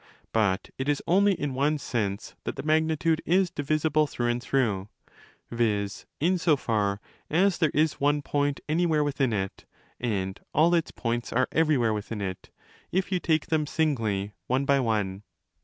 But it is only zz one sense that the magnitude is ' divisible through and through', viz. in so far as there is one point anywhere within it and all its points are everywhere within it if you take them singly one by one.